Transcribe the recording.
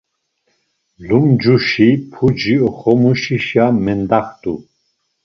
Lumcuşi puci oxomuşişa mendaxtu.